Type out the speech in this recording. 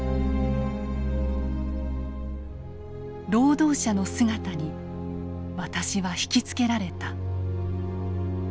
「労働者の姿に私はひきつけられた。